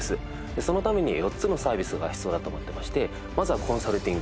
そのために４つのサービスが必要だと思ってましてまずはコンサルティング。